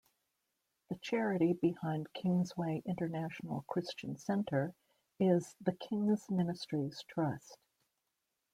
The charity behind Kingsway International Christian Centre is "The King's Ministries Trust".